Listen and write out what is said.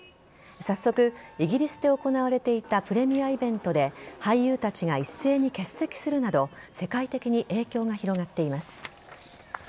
早速、イギリスで行われていたプレミアイベントで俳優たちが一斉に欠席するなど世界的に影響が広がっています。